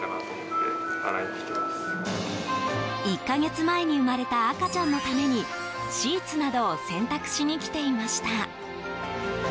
１か月前に生まれた赤ちゃんのためにシーツなどを洗濯しにきていました。